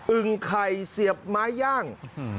ึงไข่เสียบไม้ย่าง